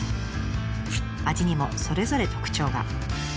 味にもそれぞれ特徴が。